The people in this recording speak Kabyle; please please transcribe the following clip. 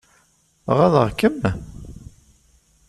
Ɣaḍeɣ-kem?